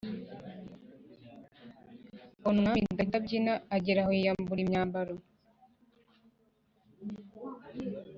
abona Umwami Dawidi abyina ageraho yiyambura imyambaro